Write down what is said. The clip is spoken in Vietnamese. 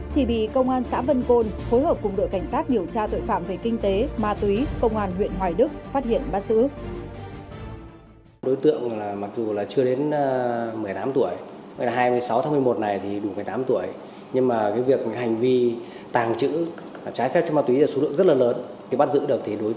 thì bị công an xã vân côn phối hợp cùng đội cảnh sát điều tra tội phạm về kinh tế ma túy công an huyện hoài đức phát hiện bắt giữ